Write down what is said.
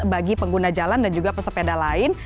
bagi pengguna jalan dan juga pesepeda lain